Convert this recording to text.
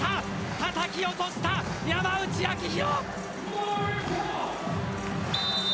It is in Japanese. たたき落とした山内晶大。